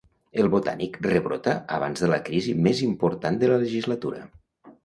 El Botànic rebrota abans de la crisi més important de la legislatura.